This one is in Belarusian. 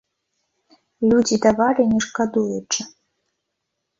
Людзі давалі не шкадуючы.